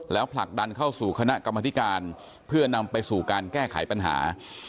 แล้วผลักดันเข้าสู่คณะกรรมธิการเพื่อนำไปสู่การแก้ไขปัญหา